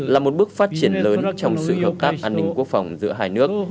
là một bước phát triển lớn trong sự hợp tác an ninh quốc phòng giữa hai nước